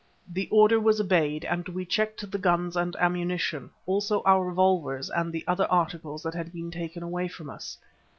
The order was obeyed, and we checked the guns and ammunition; also our revolvers and the other articles that had been taken away from us.